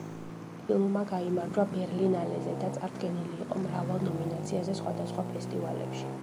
ფილმმა გაიმარჯვა ბერლინალეზე და წარდგენილი იყო მრავალ ნომინაციაზე სხვადასხვა ფესტივალებში.